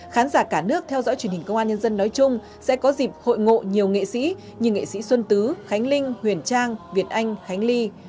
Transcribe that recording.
khán giả cả nước theo dõi truyền hình công an nhân dân nói chung sẽ có dịp hội ngộ nhiều nghệ sĩ như nghệ sĩ xuân tứ khánh linh huyền trang việt anh khánh ly